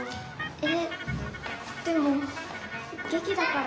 えっでもげきだからさ。